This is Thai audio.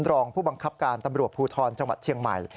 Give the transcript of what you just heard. รองผู้บังคับการตำรวจภูทรจังหวัดเชียงใหม่